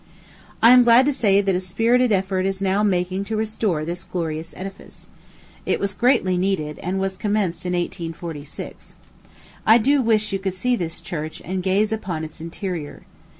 I am glad to say that a spirited effort is now making to restore this gorgeous edifice. It was greatly needed, and was commenced in 1846. I do wish you could see this church and gaze upon its interior.